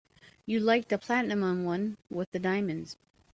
You liked the platinum one with the diamonds.